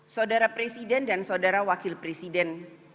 saudara presiden dan saudara wakil presiden